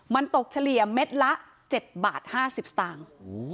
มันตกเฉลี่ยเม็ดละ๗บาท๕๐สตางค์